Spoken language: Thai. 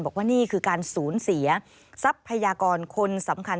บอกว่านี่คือการสูญเสียทรัพยากรคนสำคัญ